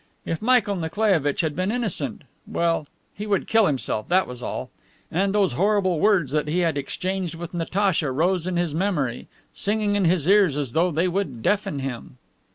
If Michael Nikolaievitch had been innocent! Well, he would kill himself, that was all. And those horrible words that he had exchanged with Natacha rose in his memory, singing in his ears as though they would deafen him.